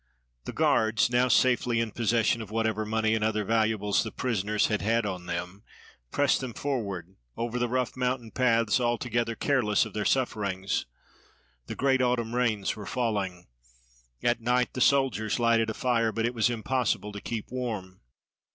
The guards, now safely in possession of whatever money and other valuables the prisoners had had on them, pressed them forward, over the rough mountain paths, altogether careless of their sufferings. The great autumn rains were falling. At night the soldiers lighted a fire; but it was impossible to keep warm.